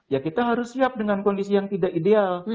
ya kita harus siap dengan kondisi yang tidak ideal